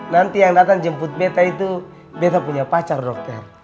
nanti yang datang jemput meta itu beta punya pacar dokter